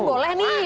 kan boleh nih